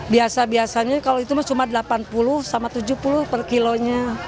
biasa biasanya kalau itu cuma delapan puluh sama rp tujuh puluh per kilonya